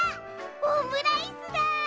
オムライスだ！